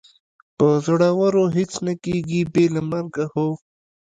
په زړورو هېڅ نه کېږي، بې له مرګه، هو.